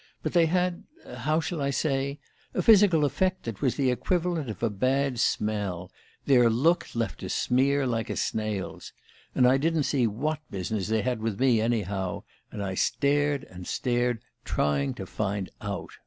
But they had how shall I say? a physical effect that was the equivalent of a bad smell: their look left a smear like a snail's. And I didn't see what business they had with me, anyhow and I stared and stared, trying to find out